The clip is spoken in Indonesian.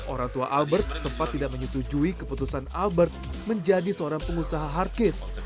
orang tua albert sempat tidak menyetujui keputusan albert menjadi seorang pengusaha hardcase